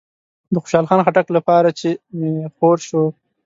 د خوشحال خټک لپاره چې می خور شو